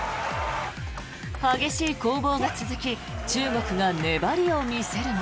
激しい攻防が続き中国が粘りを見せるも。